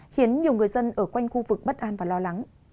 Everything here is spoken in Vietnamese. khiến nhiều người dân ở quanh khu vực bất an và lo lắng